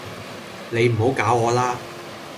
你唔好搞我喇